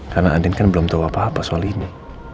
karena andin kan belum tau apa apa soal ini